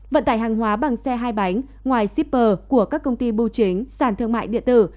vận tải hàng hóa bằng xe hai bánh ngoài shipper của các công ty bưu chính sản thương mại điện tử